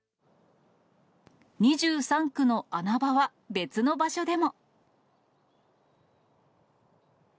２３区の穴場は別の場所でも。